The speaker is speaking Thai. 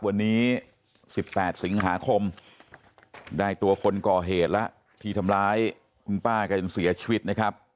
วันนี้๑๘สิงหาคมได้ตัวคนก่อเหตุแล้วที่ทำร้ายคุณป้ากันจนเสียชีวิตนะครับ